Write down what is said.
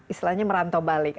istilahnya merantau balik